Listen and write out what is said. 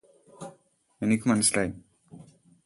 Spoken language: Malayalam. എനിക്കു മനസ്സിലായി